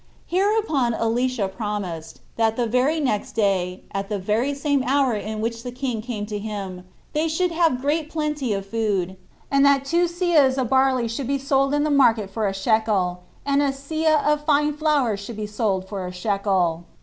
Hereupon Elisha promised, that the very next day, at the very same hour in which the king came to him, they should have great plenty of food, and that two seahs of barley should be sold in the market for a shekel, and a seah of fine flour should be sold for a shekel.